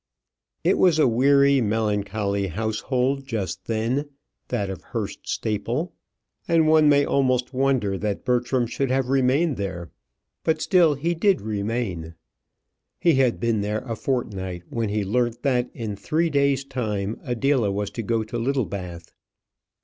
It was a weary, melancholy household just then, that of Hurst Staple, and one may almost wonder that Bertram should have remained there; but still he did remain. He had been there a fortnight, when he learnt that in three days' time Adela was to go to Littlebath.